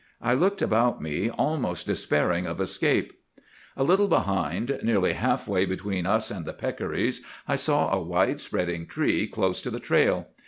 I looked about me, almost despairing of escape. "A little behind, nearly half way between us and the peccaries, I saw a wide spreading tree close to the trail.